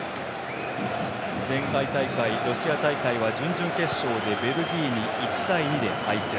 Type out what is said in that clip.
前回大会、ロシア大会準々決勝にベルギーに１対２で敗戦。